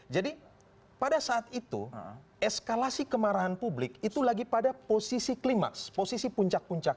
pada saat itu eskalasi kemarahan publik itu lagi pada posisi klimaks posisi puncak puncak